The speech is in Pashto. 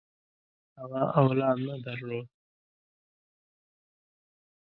هغه اولاد نه درلود.